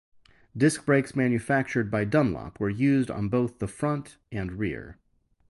Disc brakes manufactured by Dunlop were used on both the front and rear.